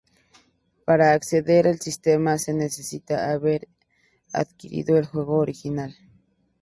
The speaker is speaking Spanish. Para acceder al sistema, se necesita haber adquirido el juego original.